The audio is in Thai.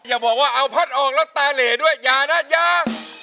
อย่าบอกว่าเอาพัดออกแล้วตาเหลด้วยอย่านะยา